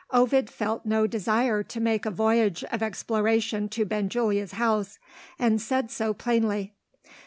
Ovid felt no desire to make a voyage of exploration to Benjulia's house and said so plainly.